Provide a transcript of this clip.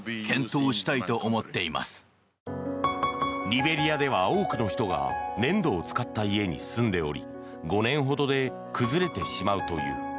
リベリアでは多くの人が粘土を使った家に住んでおり５年ほどで崩れてしまうという。